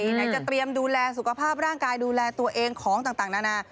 ไหนจะเตรียมดูแลสุขภาพร่างกายดูแลตัวเองของต่างนานา